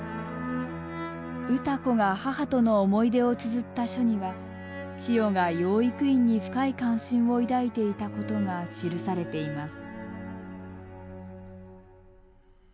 歌子が母との思い出をつづった書には千代が養育院に深い関心を抱いていたことが記されています。